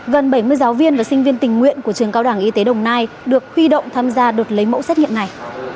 gần bảy mươi giáo viên và sinh viên tình nguyện của trường cao đẳng y tế đồng nai được huy động tham gia đợt lấy mẫu xét nghiệm này